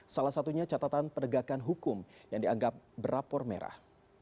salah satunya catatan penegakan hukum yang dianggap berapor merah